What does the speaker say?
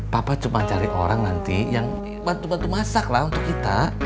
papa cuma cari orang nanti yang bantu bantu masak lah untuk kita